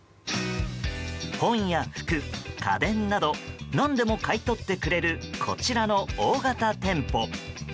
本や服、家電など何でも買い取ってくれるこちらの大型店舗。